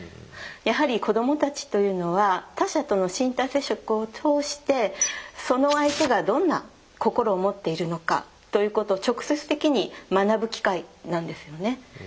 やはり子供たちというのは他者との身体接触を通してその相手がどんな心を持っているのかということを直接的に学ぶ機会なんですよね。